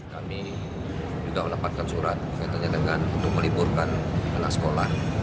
kami juga mendapatkan surat kaitannya dengan untuk meliburkan anak sekolah